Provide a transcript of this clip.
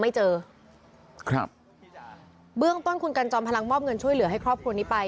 ไม่เจอครับเบื้องต้นคุณกันจอมพลังมอบเงินช่วยเหลือให้ครอบครัวนี้ไป